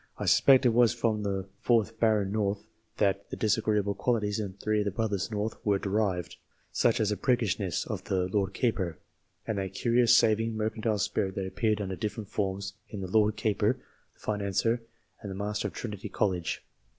I suspect it was from the fourth Baron North that the disagreeable qualities in three of the brothers North were derived such as the priggishness of the Lord Keeper, and that curious saving, mercantile spirit that appeared under different forms in the Lord Keeper, the Financier, and the Master of Trinity College.